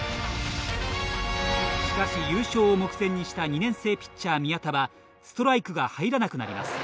しかし優勝を目前にした２年生ピッチャー宮田はストライクが入らなくなります。